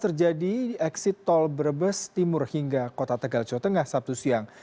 terjadi di eksit tol brebes timur hingga kota tegal jawa tengah sabtu siang